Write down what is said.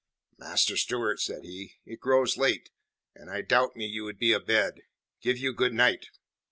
"Master Stewart," said he, "it grows late, and I doubt me you would be abed. Give you good night!"